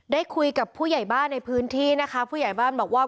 ได้คุยกับผู้ใหญ่บ้านในพื้นที่นะคะผู้ใหญ่บ้านบอกว่า